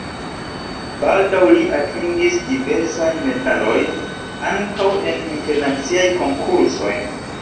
Baldaŭ li atingis diversajn medalojn ankaŭ en internaciaj konkursoj.